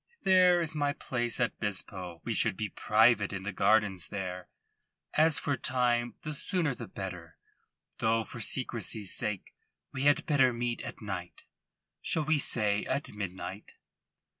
"There is my place at Bispo. We should be private in the gardens there. As for time, the sooner the better, though for secrecy's sake we had better meet at night. Shall we say at midnight?"